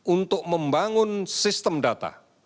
untuk membangun sistem data